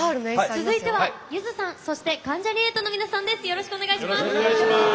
続いては、ゆずさんそして関ジャニ∞の皆さんです。